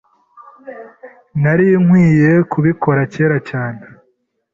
Nari nkwiye kubikora kera cyane.